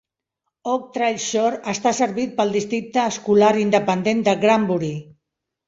Oak Trail Shores està servit pel districte escolar independent de Granbury.